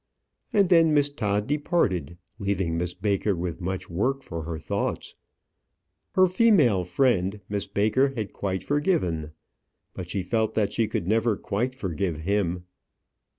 And then Miss Todd departed, leaving Miss Baker with much work for her thoughts. Her female friend Miss Baker had quite forgiven; but she felt that she could never quite forgive him.